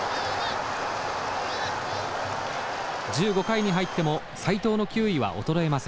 １５回に入っても斎藤の球威は衰えません。